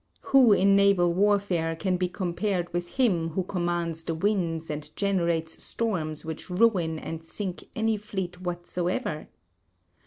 Who in naval warfare can be compared with him who commands the winds and generates storms which ruin and sink any fleet whatsoever?